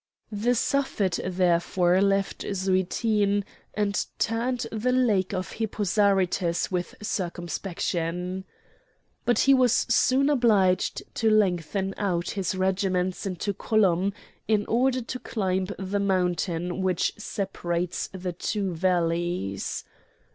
The Suffet therefore left Zouitin and turned the lake of Hippo Zarytus with circumspection. But he was soon obliged to lengthen out his regiments into column in order to climb the mountain which separates the two valleys.